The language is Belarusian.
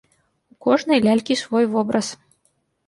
У кожнай лялькі свой вобраз.